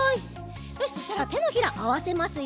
よしそしたらてのひらあわせますよ。